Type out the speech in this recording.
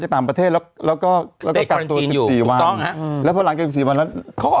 จากตามประเทศแล้วก็อยู่ถูกต้องฮะแล้วพอหลังกี่สิบสี่วันแล้วเขาก็